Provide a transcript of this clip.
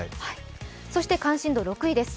そして関心度６位です。